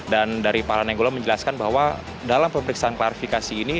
dan dari pak lana enggolan menjelaskan bahwa dalam pemeriksaan klarifikasi ini